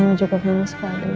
mau juga kamu sekali